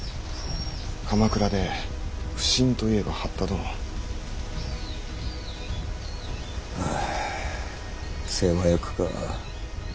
鎌倉で普請といえば八田殿。ああ世話役か。